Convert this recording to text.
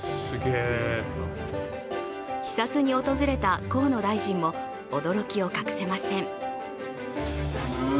視察に訪れた河野大臣も驚きを隠せません。